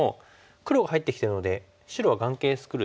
黒が入ってきたので白は眼形作る